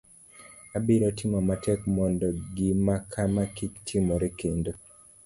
abiro timo matek mondo gimakama kik timore kendo